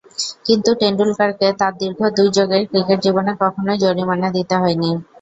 কিন্তু টেন্ডুলকারকে তার দীর্ঘ দুই যুগের ক্রিকেট জীবনে কখনোই জরিমানা দিতে হয়নি।